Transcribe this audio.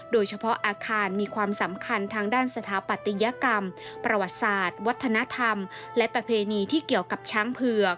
โดยเฉพาะอาคารมีความสำคัญทางด้านสถาปัตยกรรมประวัติศาสตร์วัฒนธรรมและประเพณีที่เกี่ยวกับช้างเผือก